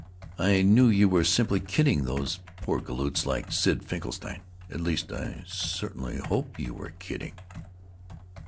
I knew you were simply kidding those poor galoots like Sid Finkelstein.... At least I certainly hope you were kidding!"